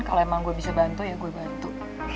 kalo emang gua bisa bantu ya gua bantu